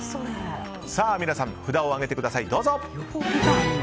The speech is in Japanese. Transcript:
皆さん、札を上げください。